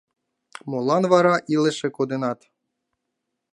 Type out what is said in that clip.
Молан вара илыше кодынат?